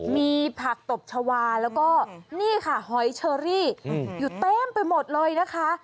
มีผักตบชาวาแล้วก็นี่ค่ะหอยเชอรี่อยู่เต็มไปหมดเลยนะคะ